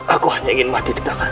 aku hanya ingin mati di tangan